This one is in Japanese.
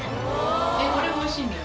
これがおいしいんだよ。